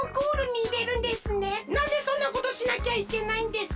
なんでそんなことしなきゃいけないんですか？